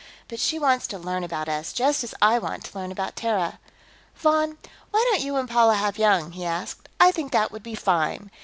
But she wants to learn about us, just as I want to learn about Terra. Von, why don't you and Paula have young?" he asked. "I think that would be fine.